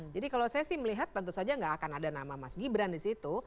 jadi kalau saya sih melihat tentu saja gak akan ada nama mas gibran disitu